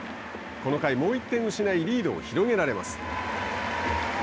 この回もう１点失いリードを広げられます。